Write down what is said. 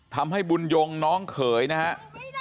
ทำให้บุญยงน้องเขยนะครับ